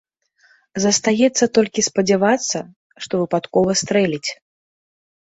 Застаецца толькі спадзявацца, што выпадкова стрэліць.